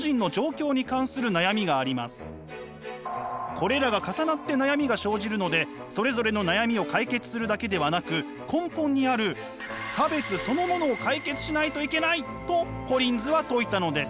これらが重なって悩みが生じるのでそれぞれの悩みを解決するだけではなく根本にある差別そのものを解決しないといけないとコリンズは説いたのです。